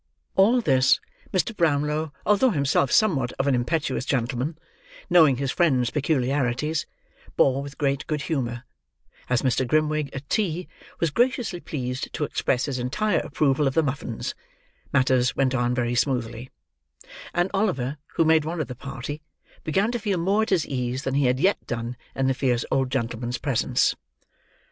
All this, Mr. Brownlow, although himself somewhat of an impetuous gentleman: knowing his friend's peculiarities, bore with great good humour; as Mr. Grimwig, at tea, was graciously pleased to express his entire approval of the muffins, matters went on very smoothly; and Oliver, who made one of the party, began to feel more at his ease than he had yet done in the fierce old gentleman's presence.